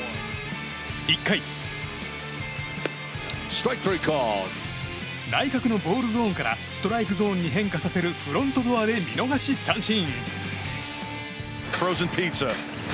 １回内角のボールゾーンからストライクゾーンに変化させるフロントドアで見逃し三振。